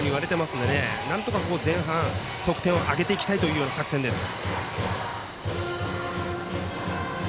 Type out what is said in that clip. ３点勝負というふうに言われてますので、なんとか前半得点を挙げていきたいという作戦です。